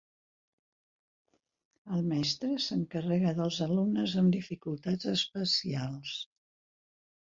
El mestre s'encarrega dels alumnes amb dificultats especials.